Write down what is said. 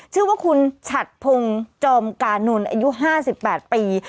ชื่อว่าคุณฉัดพงศ์จอมกานนท์อายุ๕๘ปี